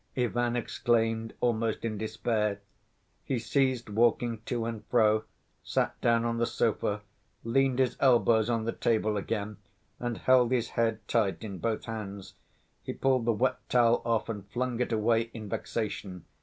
Ivan exclaimed almost in despair. He ceased walking to and fro, sat down on the sofa, leaned his elbows on the table again and held his head tight in both hands. He pulled the wet towel off and flung it away in vexation.